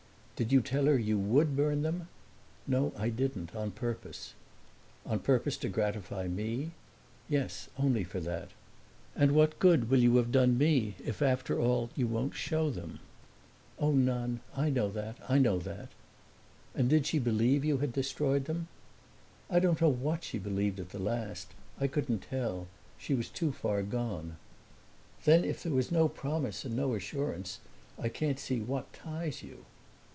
"Did you tell her you would burn them?" "No, I didn't on purpose." "On purpose to gratify me?" "Yes, only for that." "And what good will you have done me if after all you won't show them?" "Oh, none; I know that I know that." "And did she believe you had destroyed them?" "I don't know what she believed at the last. I couldn't tell she was too far gone." "Then if there was no promise and no assurance I can't see what ties you."